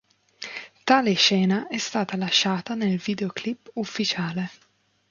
Tale scena è stata lasciata nel videoclip ufficiale.